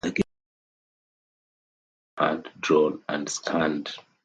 The game's backgrounds were hand-drawn and scanned.